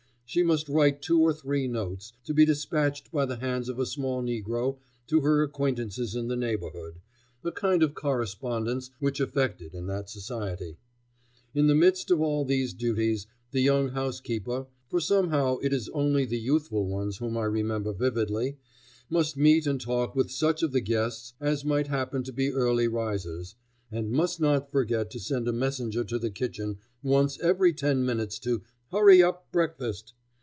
She must write two or three notes, to be dispatched by the hands of a small negro to her acquaintances in the neighborhood, a kind of correspondence much affected in that society. In the midst of all these duties, the young housekeeper for somehow it is only the youthful ones whom I remember vividly must meet and talk with such of the guests as might happen to be early risers, and must not forget to send a messenger to the kitchen once every ten minutes to "hurry up breakfast!"